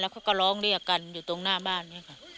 เขาก็ร้องเรียกกันอยู่ตรงหน้าบ้านเนี่ยค่ะ